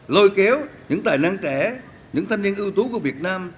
lôi kéo những tài năng trẻ những thanh niên ưu tú của việt nam